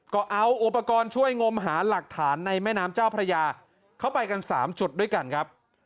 ก็เอาอุปกรณ์ช่วยงมหาหลักฐานในแม่น้ำเจ้าพระยาเข้าไปกันสามจุดด้วยกันครับ